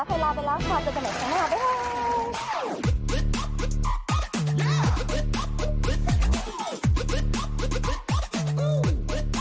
เวลาไปล้างความเจอกันใหม่ข้างหน้าบ๊ายบาย